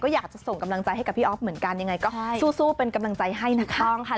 อยากจะส่งกำลังใจให้กับพี่อ๊อฟเหมือนกันยังไงก็สู้เป็นกำลังใจให้นะคะ